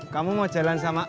kamu mau jalan sama